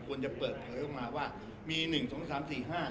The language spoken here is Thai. ควรจะเปิดให้มาว่ามีหนึ่งสองสามสี่ห้า